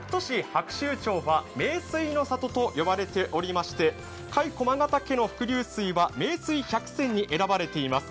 白州町は名水の里と呼ばれておりまして、甲斐駒ヶ岳の伏流水は名水百選に選ばれています。